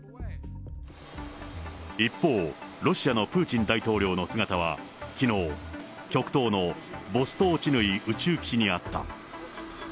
一方、ロシアのプーチン大統領の姿は、きのう、極東のボストーチヌイ宇宙基地にあった。